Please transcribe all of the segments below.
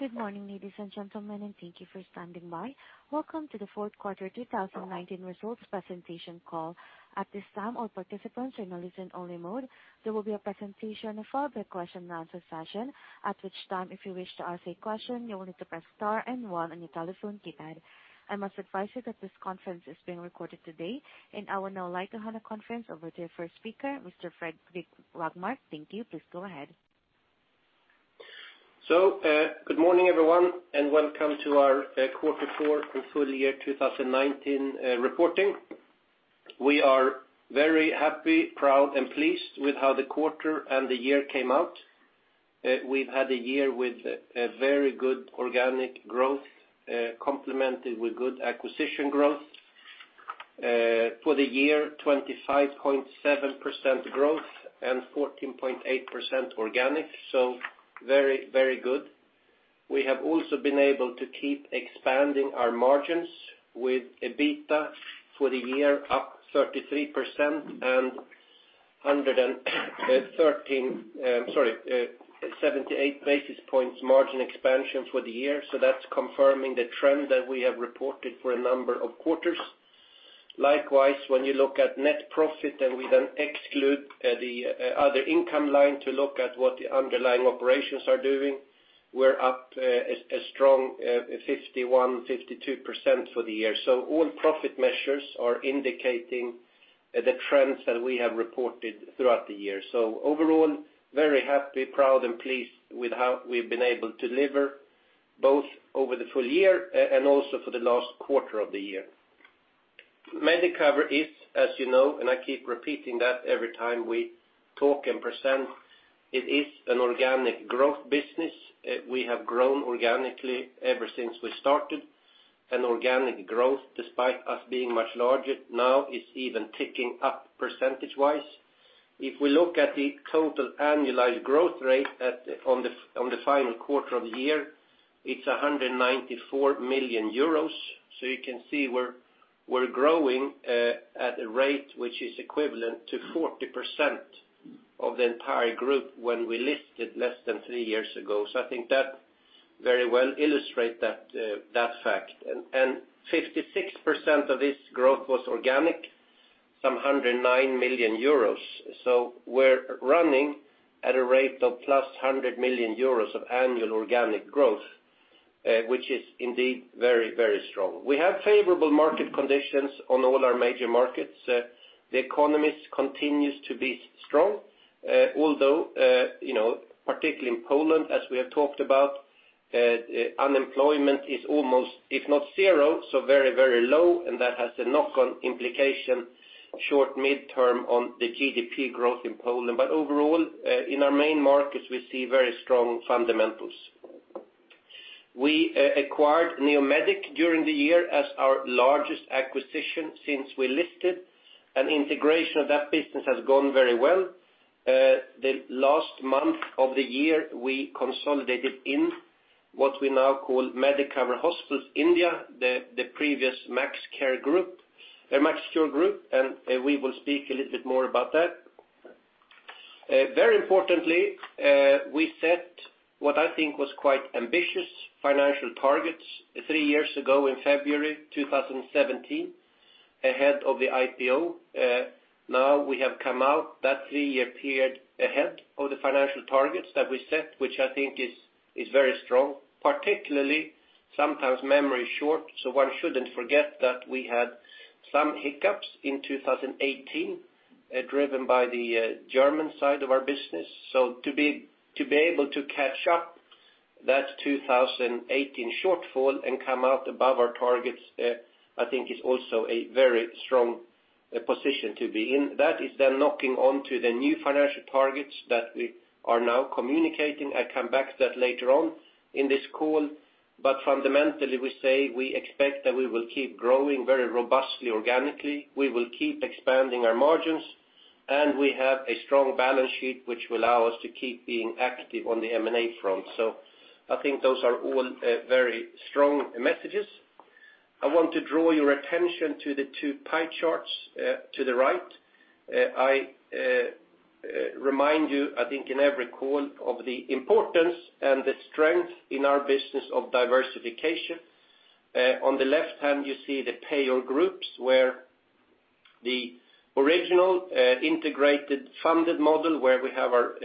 Good morning, ladies and gentlemen, and thank you for standing by. Welcome to the fourth quarter 2019 results presentation call. At this time, all participants are in listen only mode. There will be a presentation followed by question and answer session. At which time, if you wish to ask a question, you will need to press star and one on your telephone keypad. I must advise you that this conference is being recorded today. I would now like to hand the conference over to your first speaker, Mr. Fredrik Rågmark. Thank you. Please go ahead. Good morning, everyone, and welcome to our quarter four and full year 2019 reporting. We are very happy, proud, and pleased with how the quarter and the year came out. We've had a year with very good organic growth, complemented with good acquisition growth. For the year, 25.7% growth and 14.8% organic, very, very good. We have also been able to keep expanding our margins with EBITDA for the year up 33% and Sorry, 78 basis points margin expansion for the year. That's confirming the trend that we have reported for a number of quarters. Likewise, when you look at net profit, we then exclude the other income line to look at what the underlying operations are doing, we're up a strong 51%-52% for the year. All profit measures are indicating the trends that we have reported throughout the year. Overall, very happy, proud and pleased with how we've been able to deliver both over the full year and also for the last quarter of the year. Medicover is, as you know, I keep repeating that every time we talk and present, it is an organic growth business. We have grown organically ever since we started. Organic growth, despite us being much larger now, is even ticking up percentage-wise. If we look at the total annualized growth rate on the final quarter of the year, it's 194 million euros. You can see we're growing at a rate which is equivalent to 40% of the entire group when we listed less than three years ago. I think that very well illustrates that fact. 56% of this growth was organic, some 109 million euros. We're running at a rate of plus 100 million euros of annual organic growth, which is indeed very, very strong. We have favorable market conditions on all our major markets. The economies continues to be strong. Although, particularly in Poland, as we have talked about, unemployment is almost, if not zero, very, very low, that has a knock-on implication short/midterm on the GDP growth in Poland. Overall, in our main markets, we see very strong fundamentals. We acquired Neomedic during the year as our largest acquisition since we listed, integration of that business has gone very well. The last month of the year, we consolidated in what we now call Medicover Hospitals India, the previous MaxCure group, MaxCure group, we will speak a little bit more about that. Very importantly, we set what I think was quite ambitious financial targets 3 years ago in February 2017, ahead of the IPO. Now we have come out that three-year period ahead of the financial targets that we set, which I think is very strong. Particularly, sometimes memory is short, so one shouldn't forget that we had some hiccups in 2018, driven by the German side of our business. To be able to catch up that 2018 shortfall and come out above our targets, I think is also a very strong position to be in. That is then knocking on to the new financial targets that we are now communicating. I'll come back to that later on in this call. Fundamentally, we say we expect that we will keep growing very robustly organically. We will keep expanding our margins, and we have a strong balance sheet, which will allow us to keep being active on the M&A front. I think those are all very strong messages. I want to draw your attention to the two pie charts to the right. I remind you, I think in every call, of the importance and the strength in our business of diversification. On the left-hand, you see the payer groups, where the original integrated funded model, where we have our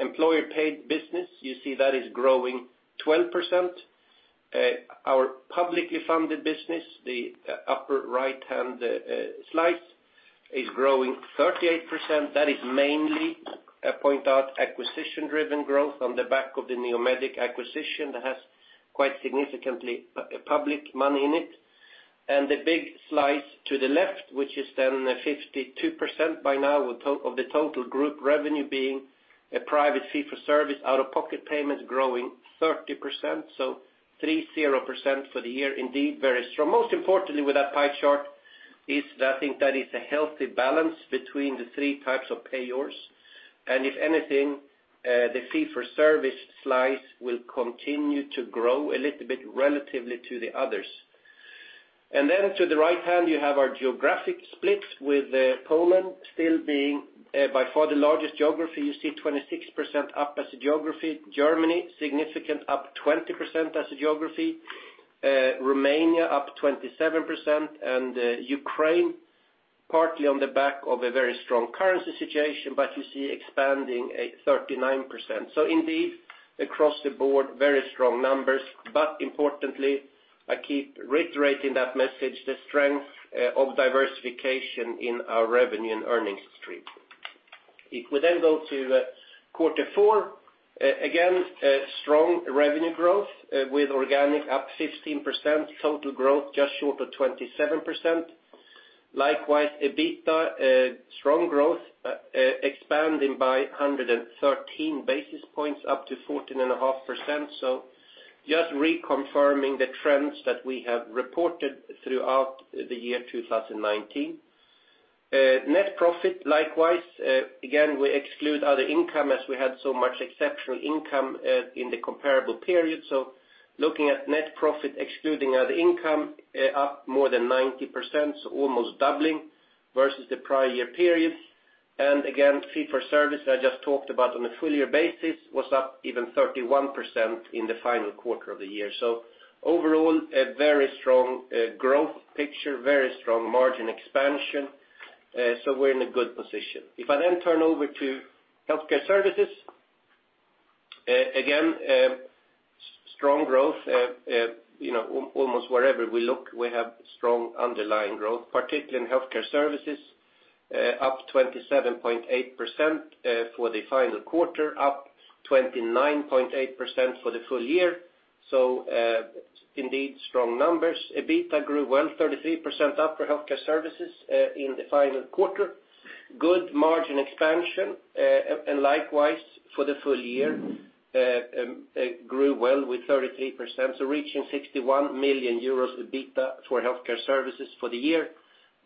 employer-paid business, you see that is growing 12%. Our publicly funded business, the upper right-hand slice, is growing 38%. That is mainly, I point out, acquisition-driven growth on the back of the Neomedic acquisition that has quite significantly public money in it. The big slice to the left, which is then 52% by now of the total group revenue being a private fee for service out-of-pocket payment growing 30%, so 30% for the year, indeed very strong. Most importantly with that pie chart is that I think that is a healthy balance between the three types of payers. If anything, the fee for service slice will continue to grow a little bit relatively to the others. Then to the right-hand, you have our geographic splits with Poland still being by far the largest geography. You see 26% up as a geography. Germany, significant, up 20% as a geography. Romania up 27%. Ukraine, partly on the back of a very strong currency situation, but you see expanding at 39%. Indeed, across the board, very strong numbers. Importantly, I keep reiterating that message, the strength of diversification in our revenue and earnings stream. If we then go to quarter four, again, strong revenue growth with organic up 15%, total growth just short of 27%. Likewise, EBITDA, strong growth, expanding by 113 basis points up to 14.5%. Just reconfirming the trends that we have reported throughout the year 2019. Net profit, likewise. Again, we exclude other income as we had so much exceptional income in the comparable period. Looking at net profit, excluding other income, up more than 90%, so almost doubling versus the prior year period. Again, fee for service, I just talked about on a full year basis, was up even 31% in the final quarter of the year. Overall, a very strong growth picture, very strong margin expansion. We're in a good position. If I then turn over to healthcare services, again, strong growth. Almost wherever we look, we have strong underlying growth, particularly in healthcare services, up 27.8% for the final quarter, up 29.8% for the full year. Indeed strong numbers. EBITDA grew well, 33% up for healthcare services in the final quarter. Good margin expansion. Likewise for the full year, grew well with 33%, reaching 61 million euros EBITDA for healthcare services for the year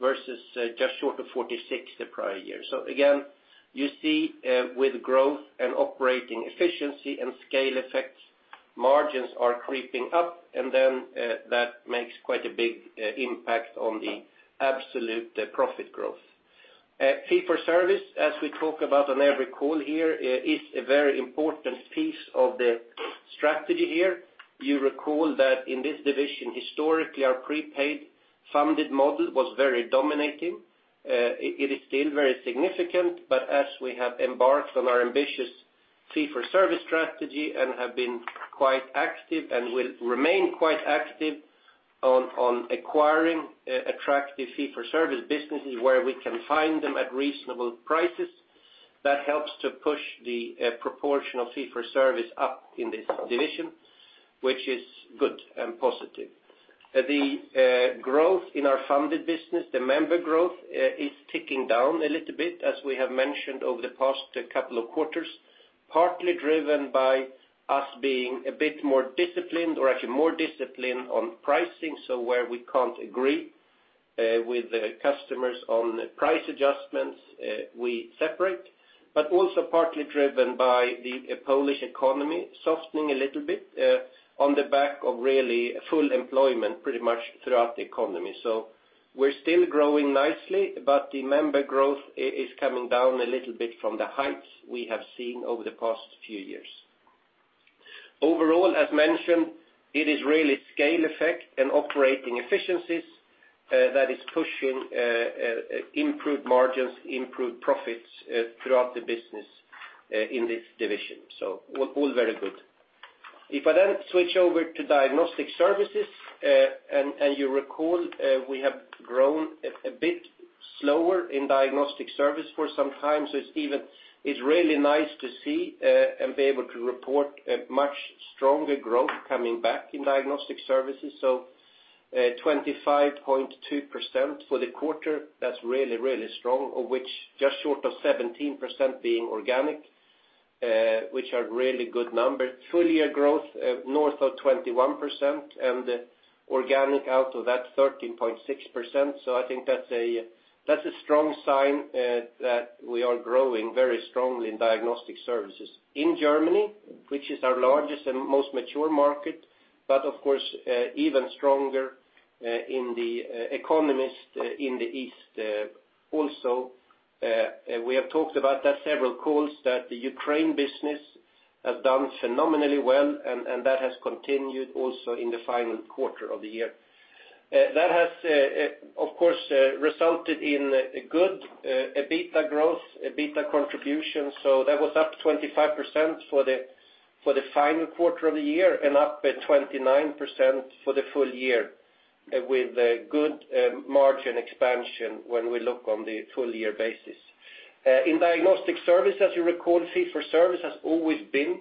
versus just short of 46 the prior year. Again, you see with growth and operating efficiency and scale effects, margins are creeping up and then that makes quite a big impact on the absolute profit growth. Fee for service, as we talk about on every call here, is a very important piece of the strategy here. You recall that in this division, historically, our prepaid funded model was very dominating. It is still very significant, but as we have embarked on our ambitious fee for service strategy and have been quite active and will remain quite active on acquiring attractive fee for service businesses where we can find them at reasonable prices, that helps to push the proportion of fee for service up in this division, which is good and positive. The growth in our funded business, the member growth, is ticking down a little bit, as we have mentioned over the past couple of quarters, partly driven by us being a bit more disciplined or actually more disciplined on pricing. Where we can't agree with customers on price adjustments, we separate. Also partly driven by the Polish economy softening a little bit on the back of really full employment pretty much throughout the economy. We're still growing nicely, but the member growth is coming down a little bit from the heights we have seen over the past few years. Overall, as mentioned, it is really scale effect and operating efficiencies that is pushing improved margins, improved profits throughout the business in this division. All very good. If I then switch over to diagnostic services, you recall, we have grown a bit slower in diagnostic service for some time. It's really nice to see and be able to report a much stronger growth coming back in diagnostic services. 25.2% for the quarter, that's really, really strong, of which just short of 17% being organic, which are really good numbers. Full year growth north of 21% and organic out of that 13.6%. I think that's a strong sign that we are growing very strongly in diagnostic services in Germany, which is our largest and most mature market. Of course, even stronger in the economies in the East also. We have talked about that several calls that the Ukraine business has done phenomenally well, and that has continued also in the final quarter of the year. That has, of course, resulted in a good EBITDA growth, EBITDA contribution. That was up 25% for the final quarter of the year and up at 29% for the full year with a good margin expansion when we look on the full year basis. In diagnostic service, as you recall, fee for service has always been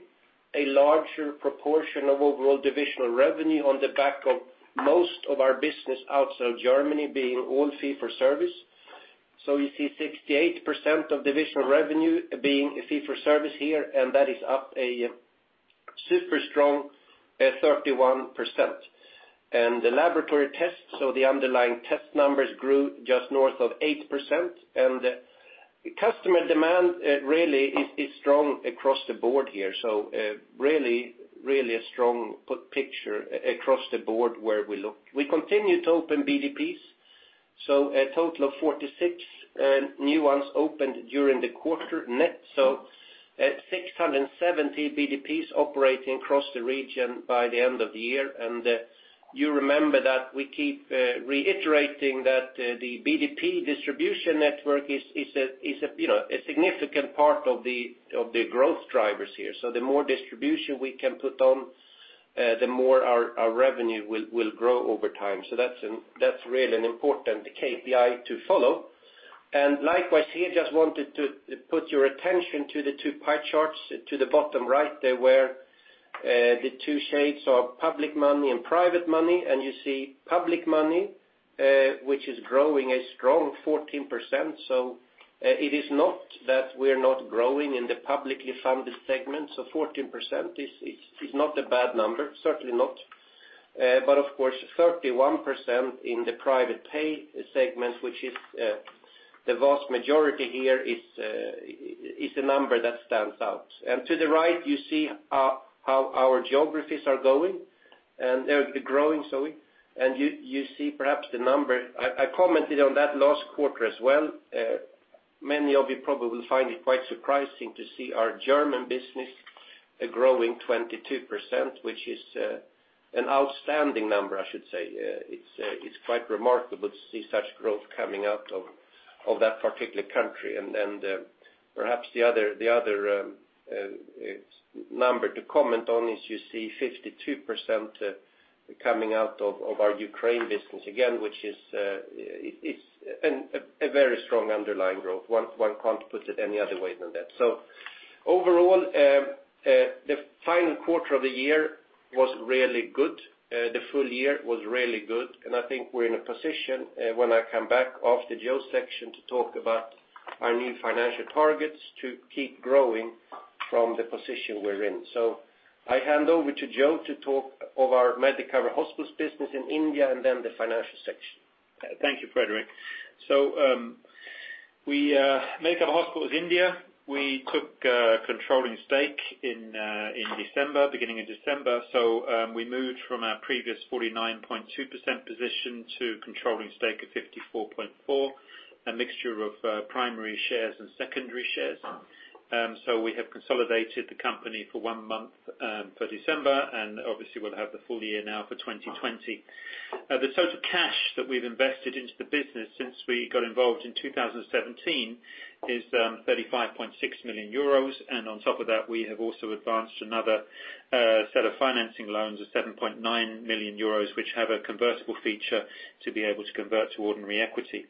a larger proportion of overall divisional revenue on the back of most of our business outside of Germany being all fee for service. You see 68% of divisional revenue being fee for service here, and that is up a super strong 31%. The laboratory tests, the underlying test numbers grew just north of 8%, and Customer demand really is strong across the board here. Really a strong picture across the board where we look. We continue to open BDPs. A total of 46 new ones opened during the quarter net. At 670 BDPs operating across the region by the end of the year. You remember that we keep reiterating that the BDP distribution network is a significant part of the growth drivers here. The more distribution we can put on, the more our revenue will grow over time. That's really an important KPI to follow. Likewise here, just wanted to put your attention to the two pie charts to the bottom right there, where the two shades are public money and private money. You see public money, which is growing a strong 14%. It is not that we're not growing in the publicly funded segment. 14% is not a bad number. Certainly not. But of course, 31% in the private pay segment, which is the vast majority here, is a number that stands out. To the right, you see how our geographies are going, and they're growing. You see perhaps the number. I commented on that last quarter as well. Many of you probably will find it quite surprising to see our German business growing 22%, which is an outstanding number, I should say. It's quite remarkable to see such growth coming out of that particular country. Then perhaps the other number to comment on is you see 52% coming out of our Ukraine business again, which is a very strong underlying growth. One can't put it any other way than that. Overall, the final quarter of the year was really good. The full year was really good, and I think we're in a position, when I come back after Joe's section, to talk about our new financial targets to keep growing from the position we're in. I hand over to Joe to talk of our Medicover Hospitals business in India and then the financial section. Thank you, Fredrik. Medicover Hospitals India, we took a controlling stake in December, beginning of December. We moved from our previous 49.2% position to a controlling stake of 54.4, a mixture of primary shares and secondary shares. We have consolidated the company for one month for December, and obviously we'll have the full year now for 2020. The total cash that we've invested into the business since we got involved in 2017 is 35.6 million euros. On top of that, we have also advanced another set of financing loans of 7.9 million euros, which have a convertible feature to be able to convert to ordinary equity.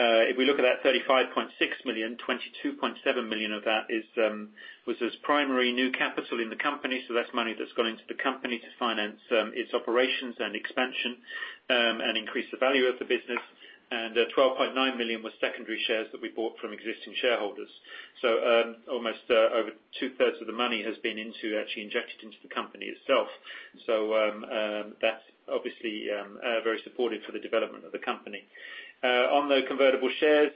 If we look at that 35.6 million, 22.7 million of that was as primary new capital in the company. That's money that's gone into the company to finance its operations and expansion, and increase the value of the business. 12.9 million was secondary shares that we bought from existing shareholders. Almost over two-thirds of the money has been into actually injected into the company itself. That's obviously very supportive for the development of the company. On the convertible shares,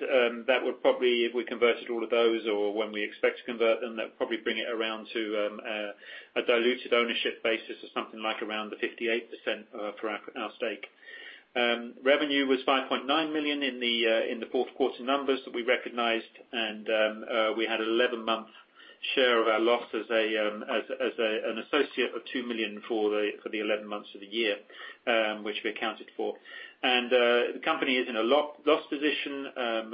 that would probably, if we converted all of those or when we expect to convert them, that would probably bring it around to a diluted ownership basis of something like around the 58% for our stake. Revenue was 5.9 million in the fourth quarter numbers that we recognized. We had an 11-month share of our loss as an associate of 2 million for the 11 months of the year, which we accounted for. The company is in a loss position,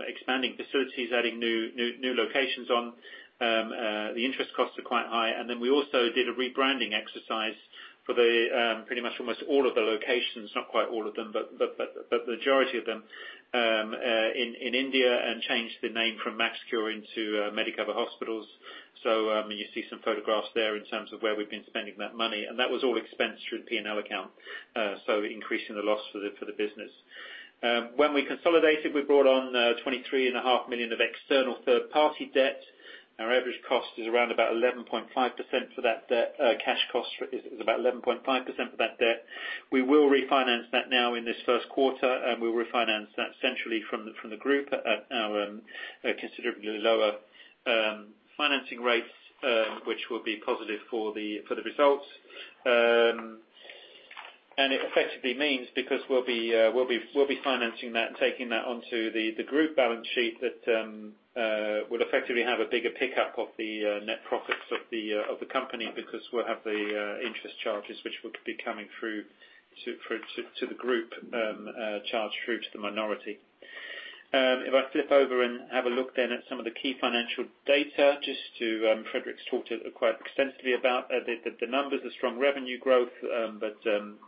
expanding facilities, adding new locations on. The interest costs are quite high. We also did a rebranding exercise for pretty much almost all of the locations, not quite all of them, but the majority of them in India and changed the name from MaxCure into Medicover Hospitals. You see some photographs there in terms of where we've been spending that money, and that was all expensed through the P&L account, so increasing the loss for the business. We brought on 23.5 million of external third-party debt. Our average cost is around about 11.5% for that debt. Cash cost is about 11.5% for that debt. We will refinance that now in this first quarter, and we'll refinance that centrally from the group at considerably lower financing rates, which will be positive for the results. It effectively means because we'll be financing that and taking that onto the group balance sheet, that we'll effectively have a bigger pickup of the net profits of the company because we'll have the interest charges which would be coming through to the group, charged through to the minority. If I flip over and have a look then at some of the key financial data, just to Fredrik's talked quite extensively about the numbers, the strong revenue growth, but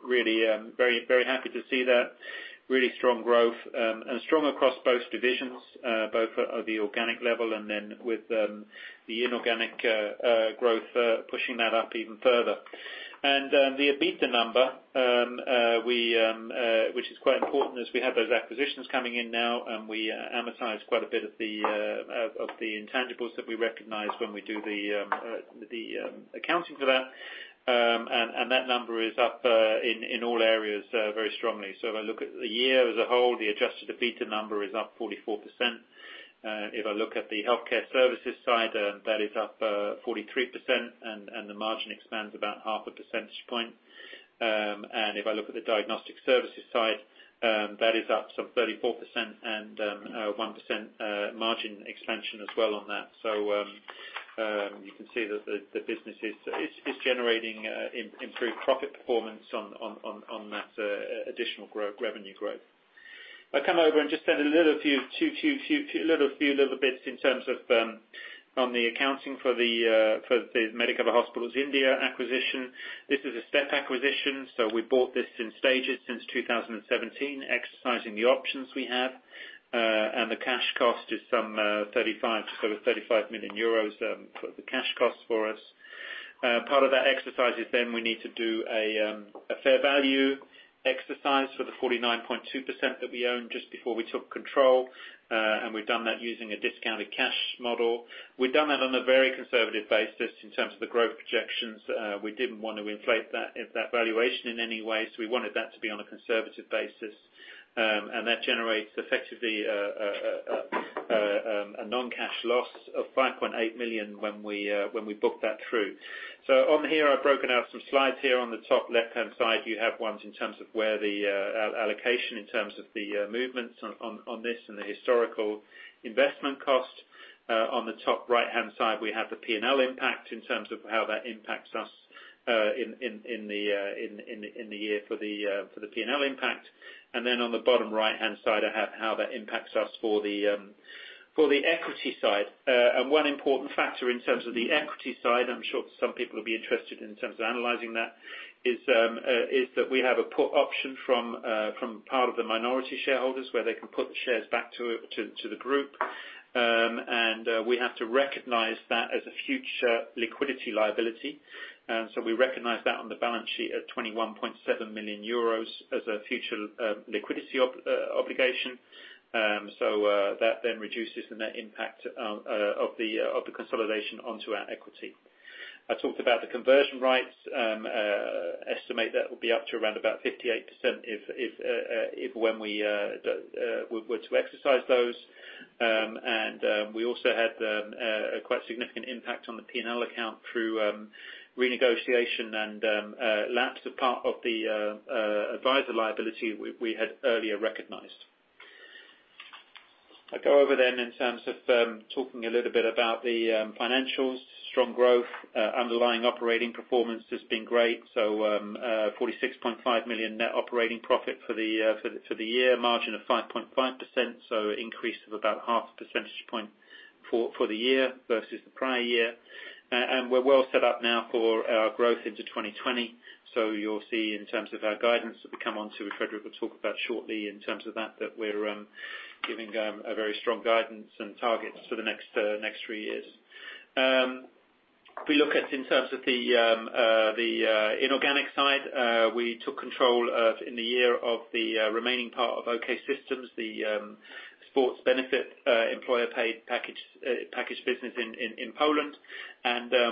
really very happy to see that really strong growth. Strong across both divisions, both at the organic level and then with the inorganic growth pushing that up even further. The EBITDA number which is quite important as we have those acquisitions coming in now, and we amortize quite a bit of the intangibles that we recognize when we do the accounting for that. That number is up in all areas very strongly. If I look at the year as a whole, the adjusted EBITDA number is up 44%. If I look at the healthcare services side, that is up 43%, and the margin expands about half a percentage point. If I look at the diagnostic services side, that is up some 34% and 1% margin expansion as well on that. You can see that the business is generating improved profit performance on that additional revenue growth. I'll come over and just add a few little bits in terms of on the accounting for the Medicover Hospitals India acquisition. This is a step acquisition, so we bought this in stages since 2017, exercising the options we have. The cash cost is some 35 million euros for the cash cost for us. Part of that exercise is then we need to do a fair value exercise for the 49.2% that we own, just before we took control. We've done that using a discounted cash flow model. We've done that on a very conservative basis in terms of the growth projections. We didn't want to inflate that valuation in any way, so we wanted that to be on a conservative basis. That generates effectively a non-cash loss of 5.8 million when we book that through. On here, I've broken out some slides here. On the top left-hand side, you have ones in terms of where the allocation, in terms of the movements on this and the historical investment cost. On the top right-hand side, we have the P&L impact in terms of how that impacts us in the year for the P&L impact. On the bottom right-hand side, how that impacts us for the equity side. One important factor in terms of the equity side, I'm sure some people will be interested in terms of analyzing that, is that we have a put option from part of the minority shareholders where they can put the shares back to the group. We have to recognize that as a future liquidity liability. We recognize that on the balance sheet at 21.7 million euros as a future liquidity obligation. That then reduces the net impact of the consolidation onto our equity. I talked about the conversion rights. Estimate that will be up to around about 58% if when we were to exercise those. We also had a quite significant impact on the P&L account through renegotiation and lapse of part of the advisor liability we had earlier recognized. I'll go over then in terms of talking a little bit about the financials. Strong growth. Underlying operating performance has been great. 46.5 million net operating profit for the year. Margin of 5.5%, increase of about half a percentage point for the year versus the prior year. We're well set up now for our growth into 2020. You'll see in terms of our guidance that we come onto, Fredrik will talk about shortly in terms of that we're giving a very strong guidance and targets for the next three years. If we look at in terms of the inorganic side, we took control in the year of the remaining part of OK System, the sports benefit employer-paid package business in Poland.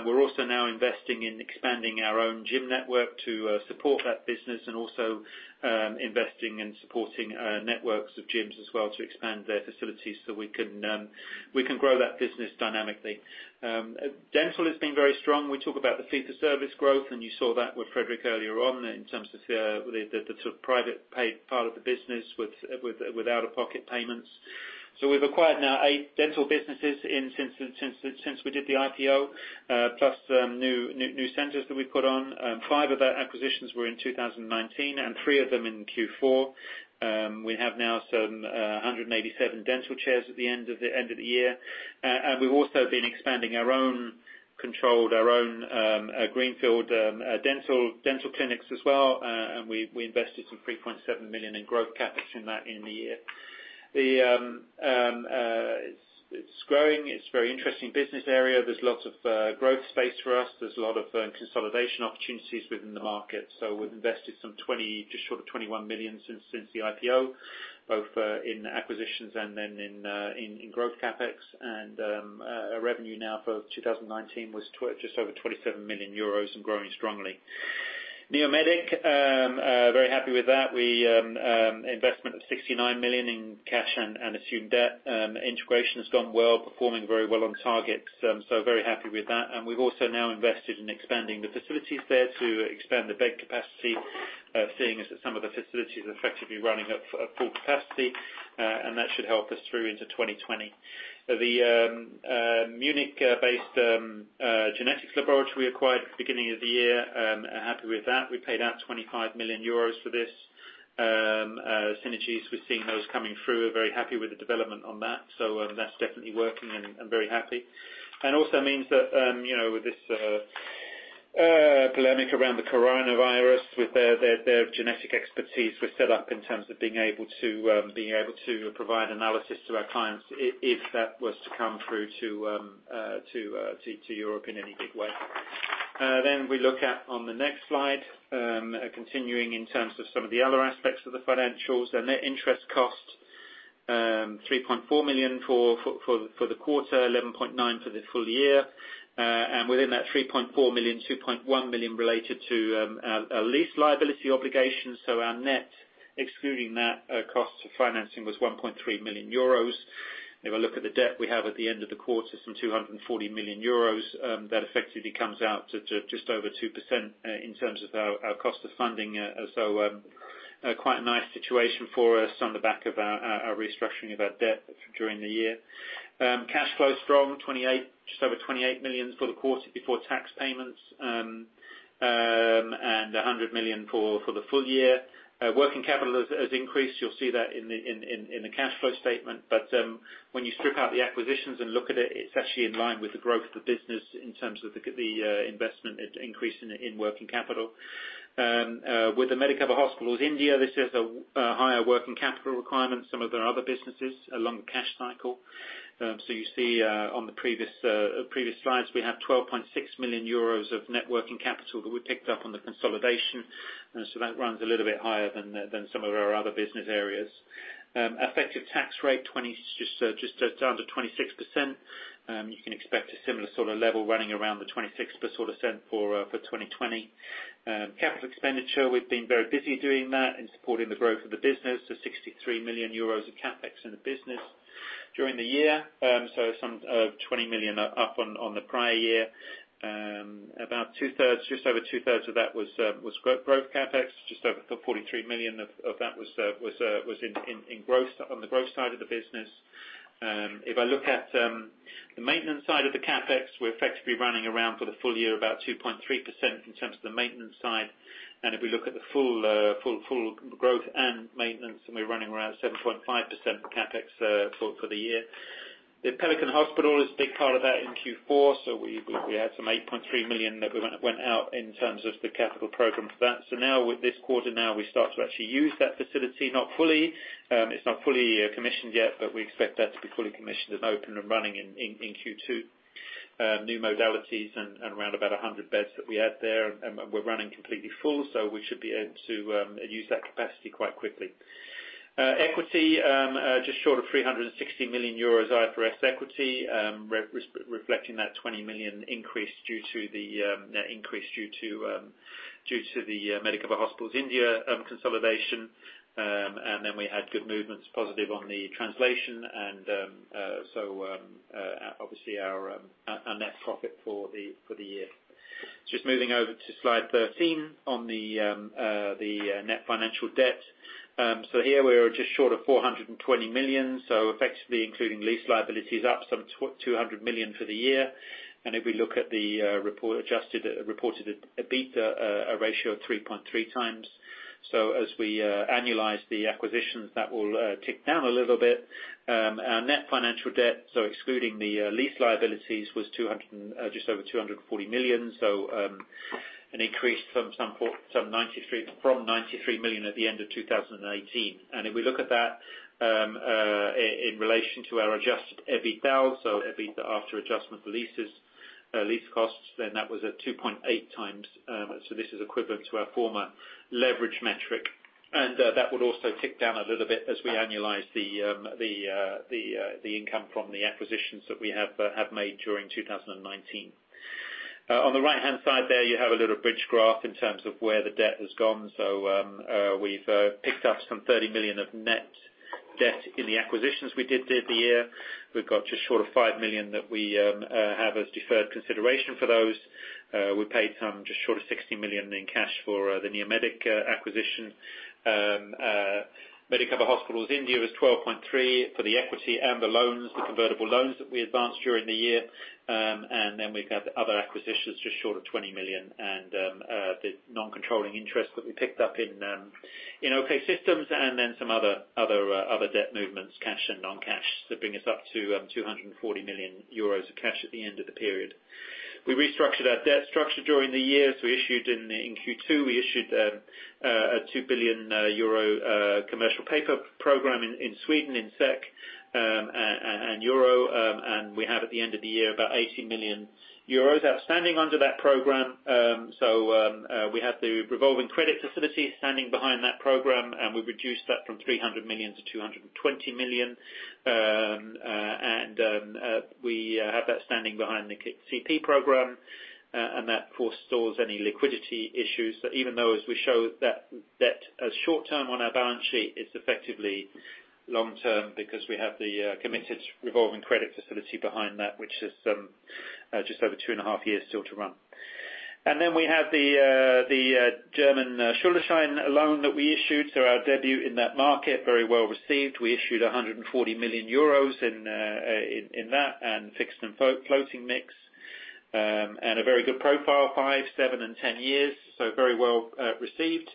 We're also now investing in expanding our own gym network to support that business and also investing in supporting networks of gyms as well to expand their facilities so we can grow that business dynamically. Dental has been very strong. We talk about the fee for service growth, and you saw that with Fredrik earlier on in terms of the private paid part of the business with out-of-pocket payments. We've acquired now eight dental businesses since we did the IPO, plus new centers that we've put on. Five of our acquisitions were in 2019, and three of them in Q4. We have now some 187 dental chairs at the end of the year. We've also been expanding our own controlled, our own greenfield dental clinics as well. We invested some 3.7 million in growth CapEx in that in the year. It's growing. It's a very interesting business area. There's lots of growth space for us. There's a lot of consolidation opportunities within the market. We've invested some 20, just short of 21 million since the IPO, both in acquisitions and in growth CapEx. Our revenue now for 2019 was just over 27 million euros and growing strongly. Neomedic, very happy with that. Investment of 69 million in cash and assumed debt. Integration has gone well, performing very well on targets, very happy with that. We've also now invested in expanding the facilities there to expand the bed capacity, seeing as some of the facilities are effectively running at full capacity. That should help us through into 2020. The Munich-based genetics laboratory we acquired beginning of the year, happy with that. We paid out 25 million euros for this. Synergies, we're seeing those coming through. We're very happy with the development on that. That's definitely working and very happy. Also means that with this polemic around the coronavirus, with their genetic expertise, we're set up in terms of being able to provide analysis to our clients if that was to come through to Europe in any big way. We look at on the next slide, continuing in terms of some of the other aspects of the financials. The net interest costs 3.4 million for the quarter, 11.9 million for the full year. Within that 3.4 million, 2.1 million related to a lease liability obligation. Our net, excluding that cost of financing was 1.3 million euros. If I look at the debt we have at the end of the quarter, some 240 million euros, that effectively comes out to just over 2% in terms of our cost of funding. Quite a nice situation for us on the back of our restructuring of our debt during the year. Cash flow is strong, just over 28 million for the quarter before tax payments, 100 million for the full year. Working capital has increased. You'll see that in the cash flow statement. When you strip out the acquisitions and look at it's actually in line with the growth of the business in terms of the investment increase in working capital. With the Medicover Hospitals India, this has a higher working capital requirement, some of their other businesses along the cash cycle. You see on the previous slides, we have 12.6 million euros of net working capital that we picked up on the consolidation. That runs a little bit higher than some of our other business areas. Effective tax rate, just under 26%. You can expect a similar sort of level running around the 26% for 2020. Capital expenditure, we've been very busy doing that and supporting the growth of the business, 63 million euros of CapEx in the business during the year. Some 20 million up on the prior year. Just over two-thirds of that was growth CapEx, just over 43 million of that was on the growth side of the business. If I look at the maintenance side of the CapEx, we're effectively running around for the full year about 2.3% in terms of the maintenance side. If we look at the full growth and maintenance, we're running around 7.5% CapEx for the year. The Pelican Hospital is a big part of that in Q4, we had some 8.3 million that went out in terms of the capital program for that. Now with this quarter, we start to actually use that facility not fully. It's not fully commissioned yet, but we expect that to be fully commissioned and open and running in Q2. New modalities and around about 100 beds that we had there, and we're running completely full, so we should be able to use that capacity quite quickly. Equity, just short of €360 million IFRS equity, reflecting that 20 million net increase due to the Medicover Hospitals India consolidation. We had good movements positive on the translation, obviously our net profit for the year. Moving over to slide 13 on the net financial debt. Here we are just short of 420 million, effectively including lease liabilities up some 200 million for the year. If we look at the adjusted reported EBITDA, a ratio of 3.3 times. As we annualize the acquisitions, that will tick down a little bit. Our net financial debt, excluding the lease liabilities, was just over 240 million, an increase from 93 million at the end of 2019. If we look at that in relation to our adjusted EBITDA after adjustment for leases, lease costs, that was at 2.8 times. This is equivalent to our former leverage metric. That would also tick down a little bit as we annualize the income from the acquisitions that we have made during 2019. On the right-hand side there, you have a little bridge graph in terms of where the debt has gone. We've picked up some 30 million of net debt in the acquisitions we did the year. We've got just short of 5 million that we have as deferred consideration for those. We paid some just short of 60 million in cash for the Neomedic acquisition. Medicover Hospitals India was 12.3 for the equity and the loans, the convertible loans that we advanced during the year. We've got other acquisitions just short of 20 million and the non-controlling interest that we picked up in OK System, some other debt movements, cash and non-cash, that bring us up to €240 million of cash at the end of the period. We restructured our debt structure during the year. In Q2, we issued a €2 billion commercial paper program in Sweden in SEK and EUR, and we have at the end of the year about €80 million outstanding under that program. We have the revolving credit facility standing behind that program, and we've reduced that from 300 million to 220 million. We have that standing behind the CP program, that forestalls any liquidity issues. Even though as we show that debt as short term on our balance sheet, it's effectively long term because we have the committed revolving credit facility behind that, which is just over two and a half years still to run. We have the German Schuldverschreibung loan that we issued. Our debut in that market, very well received. We issued €140 million in that and fixed and floating mix. A very good profile, five, seven and 10 years, very well received.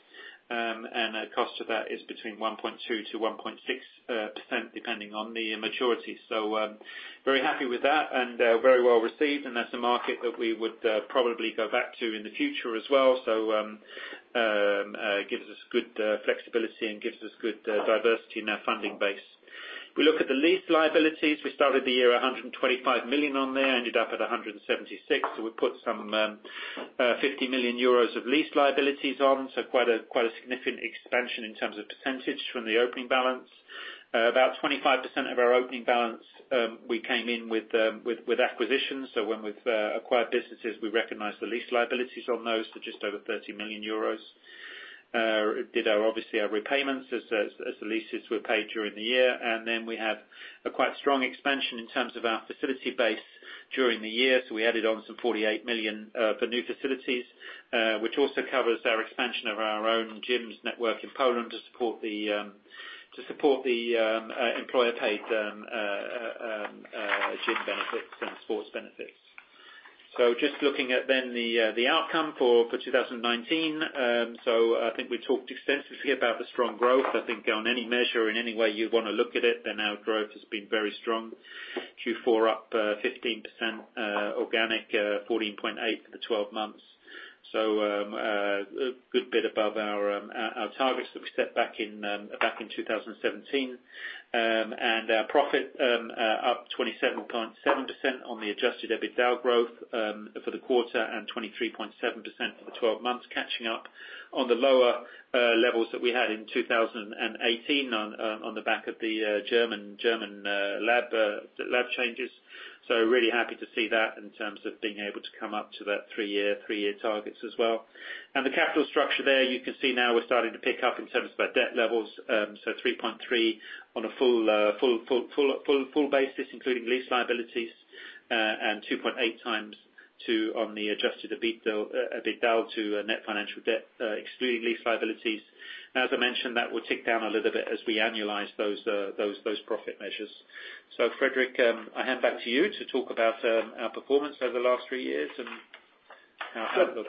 The cost of that is between 1.2%-1.6% depending on the maturity. Very happy with that and very well received, that's a market that we would probably go back to in the future as well. Gives us good flexibility and gives us good diversity in our funding base. We look at the lease liabilities. We started the year 125 million on there, ended up at 176 million. We put some 50 million euros of lease liabilities on, so quite a significant expansion in terms of percentage from the opening balance. About 25% of our opening balance, we came in with acquisitions. When we've acquired businesses, we recognize the lease liabilities on those to just over 30 million euros. Did obviously our repayments as the leases were paid during the year. We had a quite strong expansion in terms of our facility base during the year. We added on some 48 million for new facilities, which also covers our expansion of our own gyms network in Poland to support the employer-paid gym benefits and sports benefits. Just looking at then the outcome for 2019. I think we talked extensively about the strong growth. I think on any measure, in any way you'd want to look at it, then our growth has been very strong. Q4 up 15% organic, 14.8% for the 12 months. A good bit above our targets that we set back in 2017. Our profit up 27.7% on the adjusted EBITDA growth for the quarter and 23.7% for the 12 months, catching up on the lower levels that we had in 2018 on the back of the German lab changes. Really happy to see that in terms of being able to come up to that three-year targets as well. The capital structure there, you can see now we're starting to pick up in terms of our debt levels. 3.3x on a full basis, including lease liabilities, and 2.8x on the adjusted EBITDA to net financial debt, excluding lease liabilities. As I mentioned, that will tick down a little bit as we annualize those profit measures. Fredrik, I hand back to you to talk about our performance over the last three years and our outlook.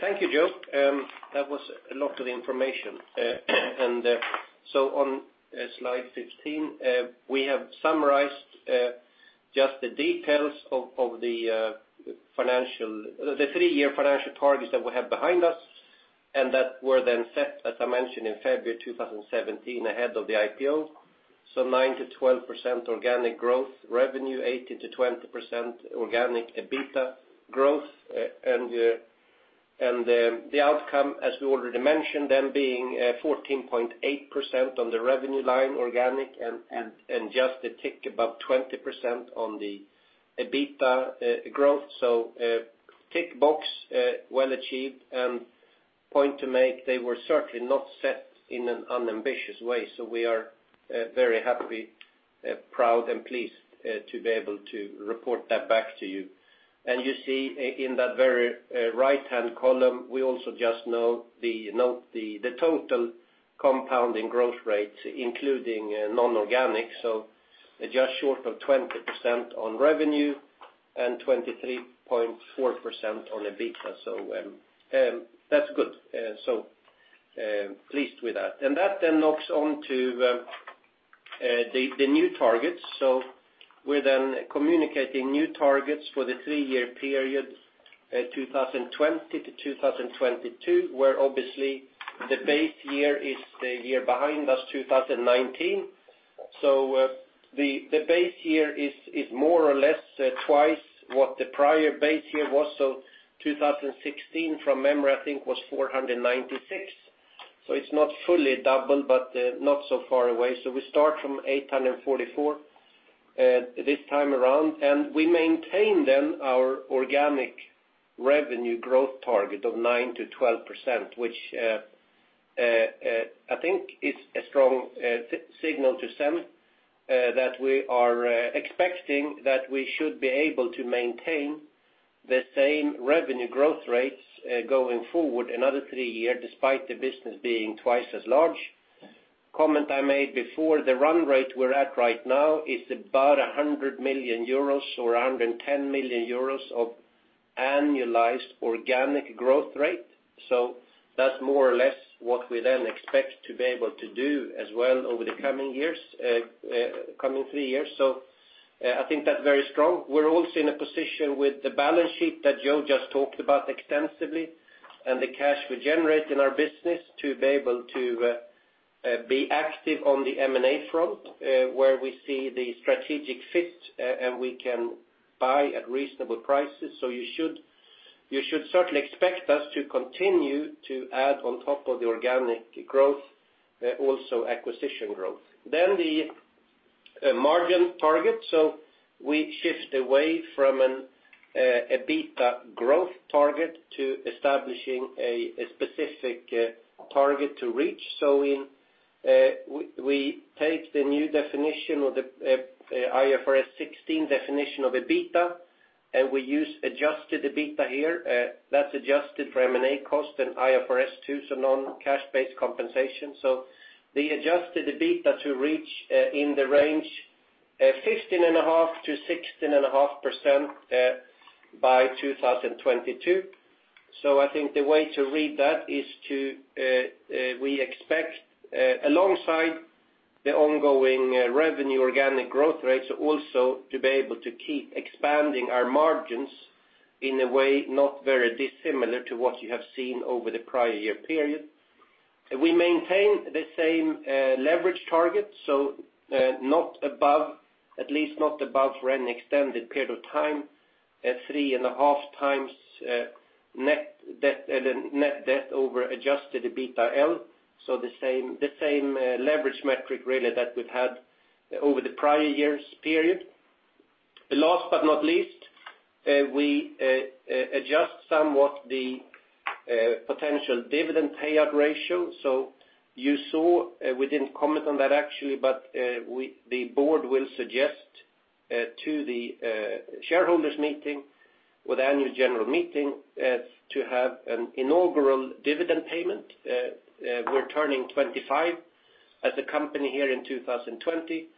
Thank you, Joe. That was a lot of information. On slide 15, we have summarized just the details of the three-year financial targets that we have behind us and that were then set, as I mentioned, in February 2017 ahead of the IPO. 9%-12% organic growth revenue, 18%-20% organic EBITDA growth. The outcome, as we already mentioned, then being 14.8% on the revenue line organic and just a tick above 20% on the EBITDA growth. Tick box, well achieved, and point to make, they were certainly not set in an unambitious way. We are very happy, proud, and pleased to be able to report that back to you. You see in that very right-hand column, we also just note the total compounding growth rate, including non-organic, just short of 20% on revenue and 23.4% on EBITDA. That's good. Pleased with that. That then knocks on to the new targets. We're then communicating new targets for the three-year period, 2020 to 2022, where obviously the base year is the year behind us, 2019. The base year is more or less twice what the prior base year was. 2016, from memory, I think was 496. It's not fully double, but not so far away. We start from 844 this time around, and we maintain then our organic revenue growth target of 9%-12%, which I think is a strong signal to send that we are expecting that we should be able to maintain the same revenue growth rates going forward another three year, despite the business being twice as large. Comment I made before, the run rate we're at right now is about 100 million euros or 110 million euros of annualized organic growth rate. That's more or less what we then expect to be able to do as well over the coming three years. I think that's very strong. We're also in a position with the balance sheet that Joe just talked about extensively and the cash we generate in our business to be able to be active on the M&A front where we see the strategic fit, and we can buy at reasonable prices. You should certainly expect us to continue to add on top of the organic growth, also acquisition growth. The margin target. We shift away from an EBITDA growth target to establishing a specific target to reach. We take the new definition or the IFRS 16 definition of EBITDA, and we use adjusted EBITDA here. That's adjusted for M&A cost and IFRS 2, non-cash-based compensation. The adjusted EBITDA to reach in the range 15.5%-16.5% by 2022. I think the way to read that is we expect alongside the ongoing revenue organic growth rates also to be able to keep expanding our margins in a way not very dissimilar to what you have seen over the prior year period. We maintain the same leverage target, at least not above for any extended period of time. At 3.5 times net debt over adjusted EBITDAaL. The same leverage metric really that we've had over the prior years period. Last but not least, we adjust somewhat the potential dividend payout ratio. You saw, we didn't comment on that actually, but the board will suggest to the shareholders meeting with annual general meeting to have an inaugural dividend payment. We're turning 25 as a company here in 2020,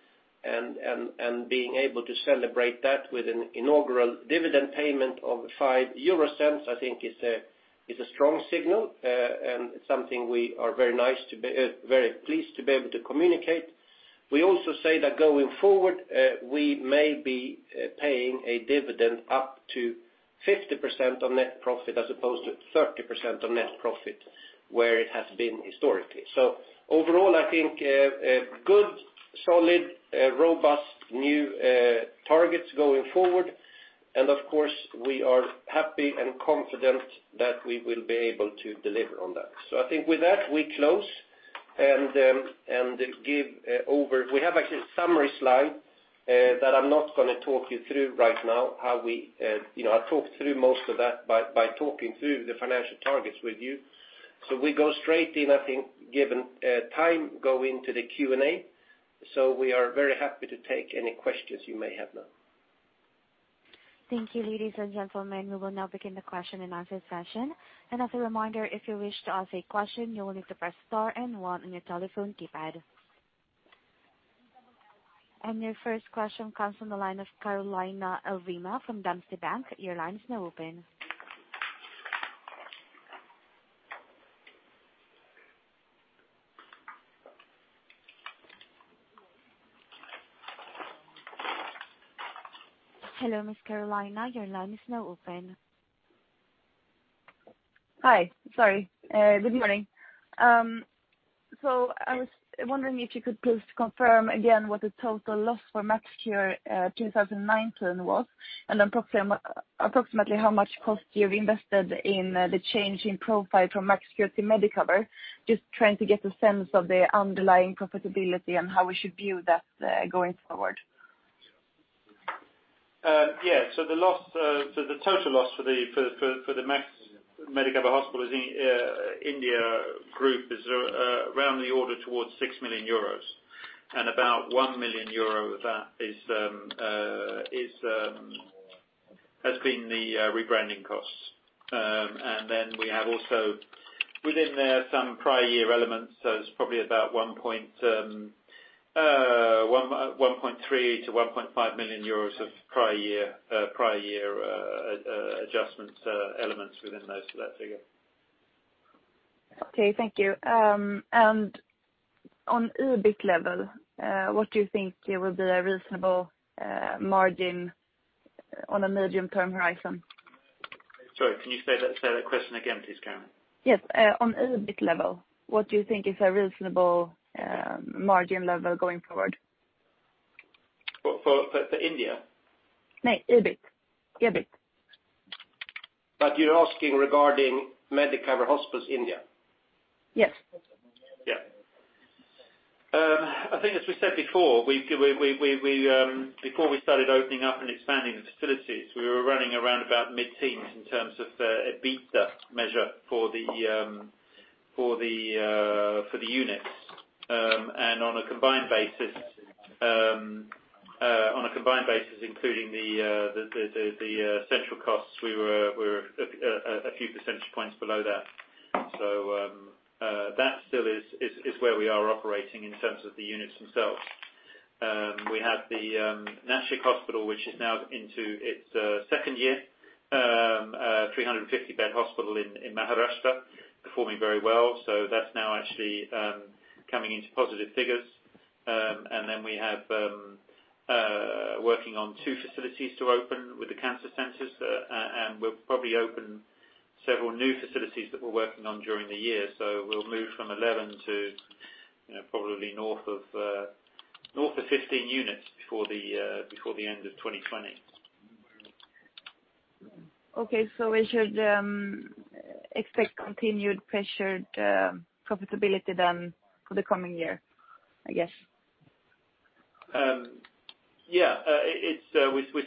and being able to celebrate that with an inaugural dividend payment of 0.05, I think is a strong signal, and it's something we are very pleased to be able to communicate. We also say that going forward, we may be paying a dividend up to 50% of net profit as opposed to 30% of net profit, where it has been historically. Overall, I think a good, solid, robust new targets going forward. Of course, we are happy and confident that we will be able to deliver on that. I think with that, we close and give over. We have actually a summary slide that I'm not going to talk you through right now. I talked through most of that by talking through the financial targets with you. We go straight in, I think, given time, go into the Q&A. We are very happy to take any questions you may have now. Thank you, ladies and gentlemen. We will now begin the question and answer session. As a reminder, if you wish to ask a question, you will need to press star and one on your telephone keypad. Your first question comes from the line of Karolina Alvemyr from DNB Bank. Your line is now open. Hello, Ms. Karolina. Your line is now open. Hi. Sorry. Good morning. I was wondering if you could please confirm again what the total loss for MaxCure 2019 was, and approximately how much cost you've invested in the change in profile from MaxCure to Medicover. Just trying to get a sense of the underlying profitability and how we should view that going forward. Yeah. The total loss for the MaxCure Medicover Hospitals India group is around the order towards 6 million euros and about 1 million euro of that has been the rebranding costs. Then we have also within there some prior year elements. It's probably about 1.3 million-1.5 million euros of prior year adjustments elements within that figure. Okay, thank you. On EBIT level, what do you think will be a reasonable margin on a medium-term horizon? Sorry, can you say that question again, please, Karolina? Yes. On EBIT level, what do you think is a reasonable margin level going forward? For India? No, EBIT. You're asking regarding Medicover Hospitals India? Yes. Yeah. I think as we said before we started opening up and expanding the facilities, we were running around about mid-teens in terms of EBITDA measure for the units. On a combined basis including the central costs, we were a few percentage points below that. That still is where we are operating in terms of the units themselves. We have the Nashik Hospital, which is now into its second year, 350-bed hospital in Maharashtra, performing very well. That's now actually coming into positive figures. Then we have working on two facilities to open with the cancer centers, and we'll probably open several new facilities that we're working on during the year. We'll move from 11 to probably north of 15 units before the end of 2020. Okay, we should expect continued pressured profitability then for the coming year, I guess? We're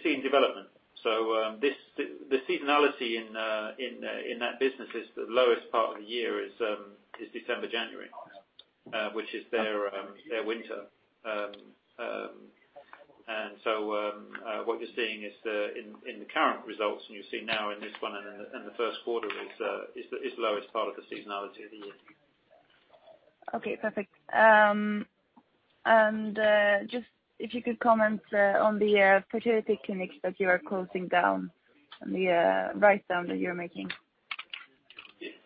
seeing development. The seasonality in that business is the lowest part of the year is December, January, which is their winter. What you're seeing is in the current results, and you see now in this one and the first quarter is the lowest part of the seasonality of the year. Okay, perfect. Just if you could comment on the fertility clinics that you are closing down and the writedown that you're making.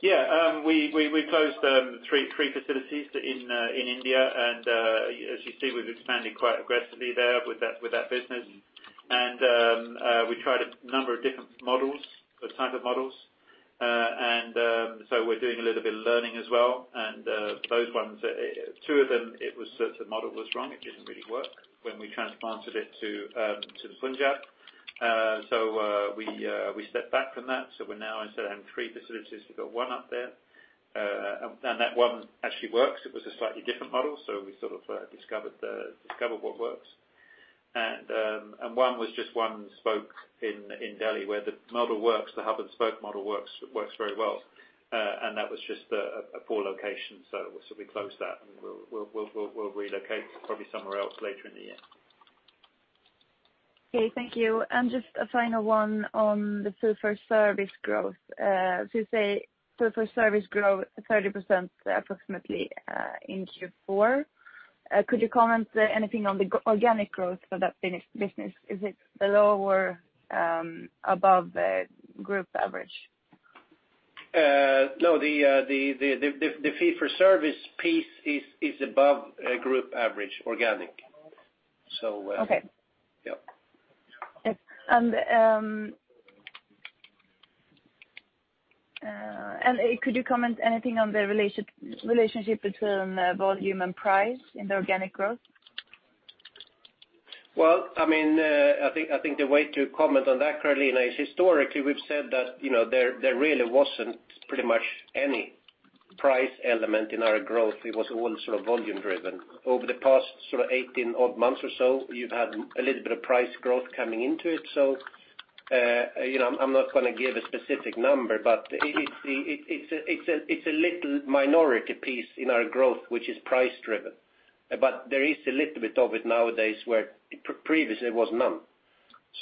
Yeah. We closed 3 facilities in India as you see, we've expanded quite aggressively there with that business. We tried a number of different models or type of models We're doing a little bit of learning as well. Those ones, 2 of them, it was certain model was wrong. It didn't really work when we transplanted it to Punjab. We stepped back from that. We now, instead of having 3 facilities, we've got one up there. That one actually works. It was a slightly different model. We sort of discovered what works. One was just one spoke in Delhi where the model works, the hub and spoke model works very well. That was just a poor location, so we closed that, and we'll relocate probably somewhere else later in the year. Okay, thank you. Just a final one on the fee for service growth. You say fee for service grow 30% approximately in Q4. Could you comment anything on the organic growth for that business? Is it below or above the group average? No, the fee for service piece is above group average organic. Okay. Yeah. Could you comment anything on the relationship between volume and price in the organic growth? Well, I think the way to comment on that, Karolina, is historically we've said that there really wasn't pretty much any price element in our growth. It was all sort of volume driven. Over the past sort of 18 odd months or so, you've had a little bit of price growth coming into it. I'm not going to give a specific number, but it's a little minority piece in our growth, which is price driven. There is a little bit of it nowadays where previously it was none.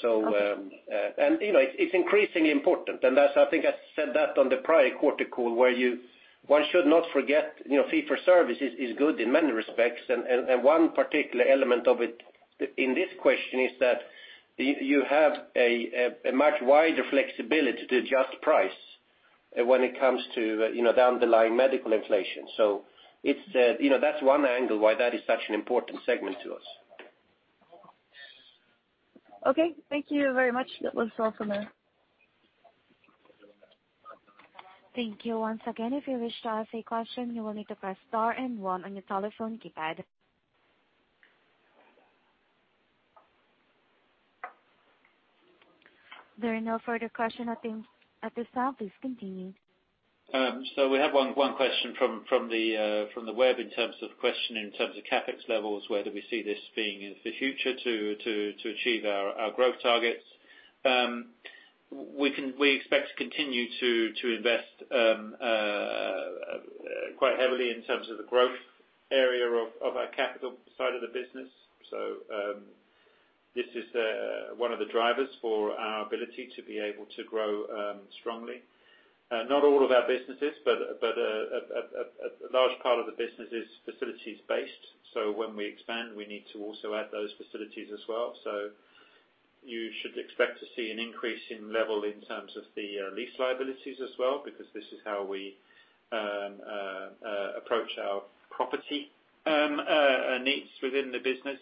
Okay. It's increasingly important, that's I think I said that on the prior quarter call, where one should not forget, fee for service is good in many respects, and one particular element of it in this question is that you have a much wider flexibility to adjust price when it comes to the underlying medical inflation. That's one angle why that is such an important segment to us. Okay, thank you very much. That was all from me. Thank you once again. If you wish to ask a question, you will need to press star and one on your telephone keypad. There are no further question at this time. Please continue. We have one question from the web in terms of question in terms of CapEx levels, whether we see this being in the future to achieve our growth targets. We expect to continue to invest quite heavily in terms of the growth area of our capital side of the business. This is one of the drivers for our ability to be able to grow strongly. Not all of our businesses, but a large part of the business is facilities based. When we expand, we need to also add those facilities as well. You should expect to see an increase in level in terms of the lease liabilities as well, because this is how we approach our property needs within the business.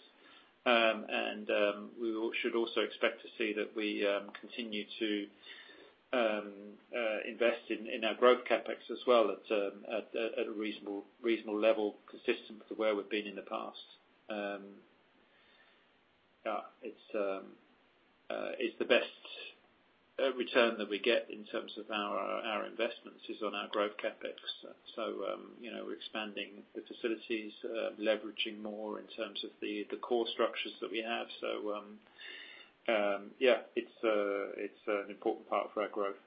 We should also expect to see that we continue to invest in our growth CapEx as well at a reasonable level consistent with where we've been in the past. It's the best return that we get in terms of our investments is on our growth CapEx. We're expanding the facilities, leveraging more in terms of the core structures that we have. Yeah, it's an important part for our growth.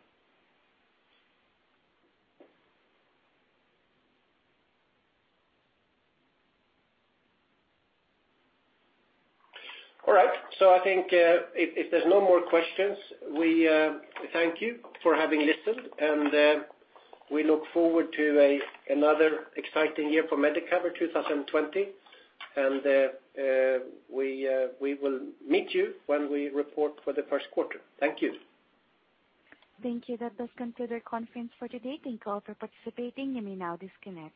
All right. I think if there's no more questions, we thank you for having listened. We look forward to another exciting year for Medicover 2020. We will meet you when we report for the first quarter. Thank you. Thank you. That does conclude our conference for today. Thank you all for participating. You may now disconnect.